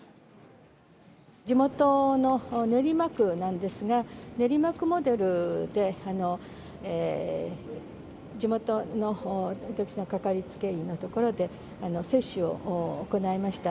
地元の練馬区なんですが、練馬区モデルで地元の私の掛かりつけ医の所で、接種を行いました。